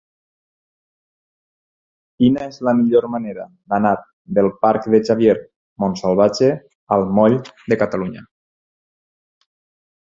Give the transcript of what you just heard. Quina és la millor manera d'anar del parc de Xavier Montsalvatge al moll de Catalunya?